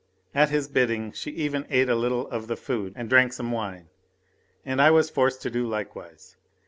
At his bidding she even ate a little of the food and drank some wine and I was forced to do likewise.